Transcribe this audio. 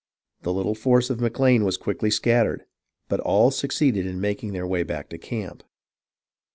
The little force of McLane was quickly scattered, but all succeeded in mak ing their way back to camp.